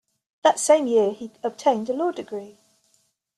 That same year he obtained a law degree.